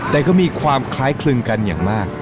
แต่ก็มีความคล้ายคลึงกันอย่างมาก